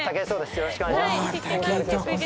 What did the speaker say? よろしくお願いします。